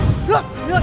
udah gak apa apa